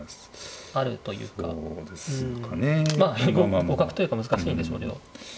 まあ互角というか難しいんでしょうけど。